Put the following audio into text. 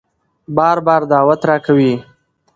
بار بار دعوت راکوي